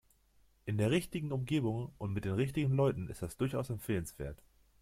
In der richtigen Umgebung und mit den richtigen Leuten ist das durchaus empfehlenswert.